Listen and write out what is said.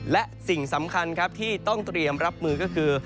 และสิ่งสำคัญครับที่ต้องเตรียมรับมือก็คือ